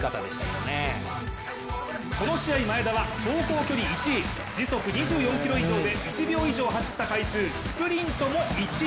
この試合、前田は走行距離１位時速２４キロ以上で１秒以上走った回数スプリントも１位。